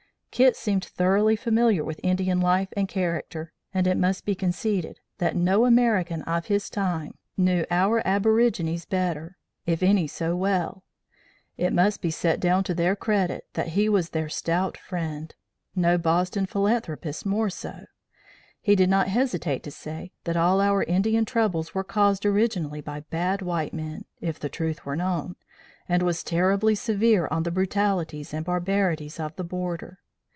"Kit seemed thoroughly familiar with Indian life and character, and it must be conceded, that no American of his time knew our aborigines better if any so well. It must be set down to their credit, that he was their stout friend no Boston philanthropist more so. He did not hesitate to say, that all our Indian troubles were caused originally by bad white men, if the truth were known, and was terribly severe on the brutalities and barbarities of the border.